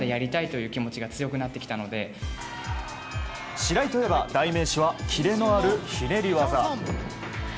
白井といえば代名詞はキレのある、ひねり技。